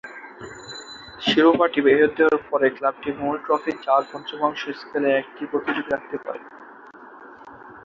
শিরোপাটি ফেরত দেওয়ার পর, ক্লাবটি মূল ট্রফির চার-পঞ্চমাংশ স্কেলের একটি প্রতিলিপি রাখতে পারে।